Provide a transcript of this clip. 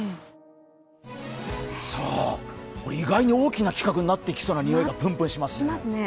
意外に大きな企画になってきそうなにおいがプンプンしますよ。